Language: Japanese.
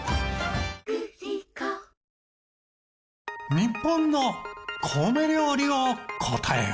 日本の米料理を答えよ。